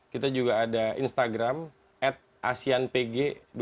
kita juga ada instagram at asianpg dua ribu delapan belas